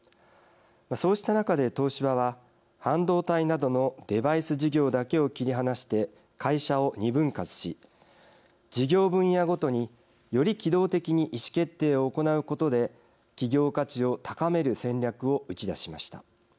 そうした中で東芝は半導体などのデバイス事業だけを切り離して会社を２分割し事業分野ごとに、より機動的に意思決定を行うことで企業価値を高める戦略を打ち出しました。